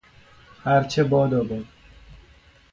هر چه باداباد